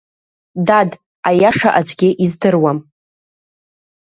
Дад, аиаша аӡәгьы издыруам!